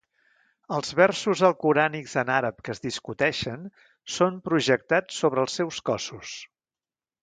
Els versos alcorànics en àrab que es discuteixen són projectats sobre els seus cossos.